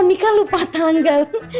nanti kan lupa tanggal